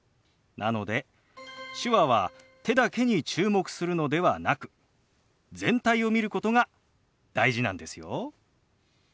なので手話は手だけに注目するのではなく全体を見ることが大事なんですよ。